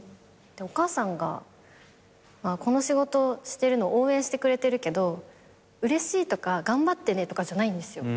お母さんがこの仕事してるの応援してくれてるけどうれしいとか頑張ってねとかじゃないんですよ。